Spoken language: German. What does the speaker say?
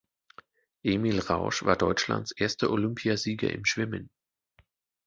Emil Rausch war Deutschlands erster Olympiasieger im Schwimmen.